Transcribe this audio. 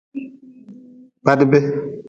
Badbe.